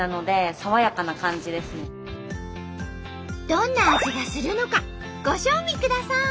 どんな味がするのかご賞味ください！